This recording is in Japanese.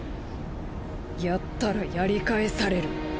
やったらやり返される。